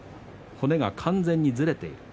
骨が完全にずれている。